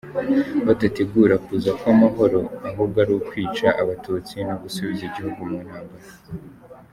Badategura kuza kw’amahoro, ahubwo ari ukwica Abatutsi no gusubiza igihugu mu ntambara.